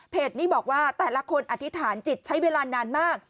นี้บอกว่าแต่ละคนอธิษฐานจิตใช้เวลานานมาก